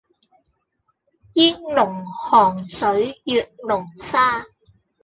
煙籠寒水月籠沙